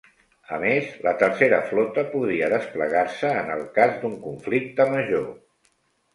A més, la Tercera Flota podria desplegar-se en el cas d'un conflicte major.